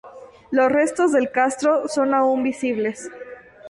Los restos del castro son aún visibles.